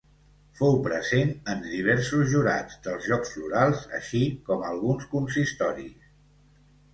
Fou present en diversos jurats dels Jocs Florals així com alguns consistoris.